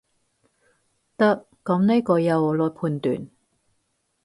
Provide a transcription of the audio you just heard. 得，噉呢個由我來判斷